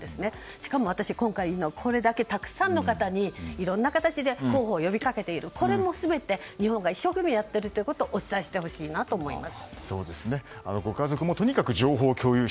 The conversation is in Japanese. しかも今回これだけたくさんの方にいろんな形で広報を呼び掛けているこれも日本が一生懸命やっていることをお伝えしてほしいなと思います。